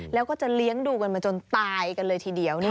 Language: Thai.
แล้วก็จะเลี้ยงดูกันมาจนตายกันเลยทีเดียว